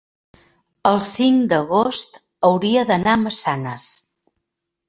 el cinc d'agost hauria d'anar a Massanes.